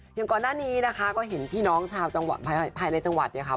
อย่างก่อนหน้านี้นะคะก็เห็นพี่น้องชาวจังหวัดภายในจังหวัดเนี่ยค่ะ